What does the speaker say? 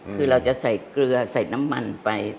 คือเราจะใส่เกลือใส่น้ำมันไป